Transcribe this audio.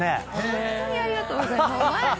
ホントにありがとうございます。